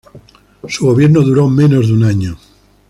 Su gobierno duró menos de un año.